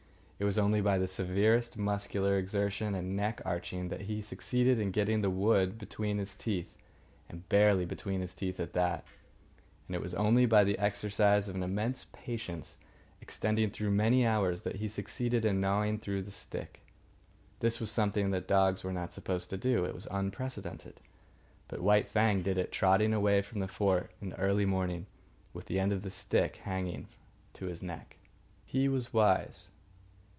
It was only by the severest muscular exertion and neck arching that he succeeded in getting the wood between his teeth, and barely between his teeth at that; and it was only by the exercise of an immense patience, extending through many hours, that he succeeded in gnawing through the stick. This was something that dogs were not supposed to do. It was unprecedented. But White Fang did it, trotting away from the fort in the early morning, with the end of the stick hanging to his neck. He was wise.